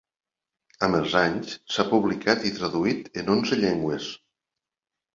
Amb els anys s'ha publicat i traduït en onze llengües.